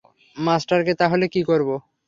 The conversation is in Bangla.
মাস্টারকে তাহলে কী করবো?